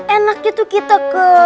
enaknya tuh kita ke